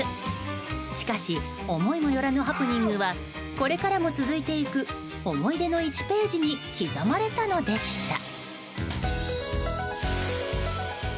しかし思いもよらぬハプニングはこれからも続いていく思い出の１ページに刻まれたのでした。